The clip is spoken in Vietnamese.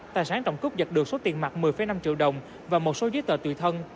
tài sản trọng cướp giật được số tiền mặt một mươi năm triệu đồng và một số giấy tờ tùy thân